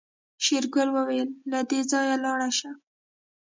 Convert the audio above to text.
شېرګل وويل له دې ځايه لاړه شه.